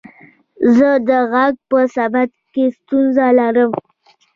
زه د غږ په ثبت کې ستونزه لرم.